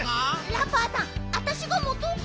ラッパーさんわたしがもとうか？